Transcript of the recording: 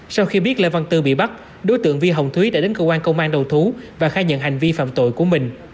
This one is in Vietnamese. sau khi biết lê văn tư bị bắt đối tượng vi hồng thúy đã đến cơ quan công an đầu thú và khai nhận hành vi phạm tội của mình